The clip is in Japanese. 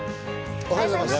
おはようございます。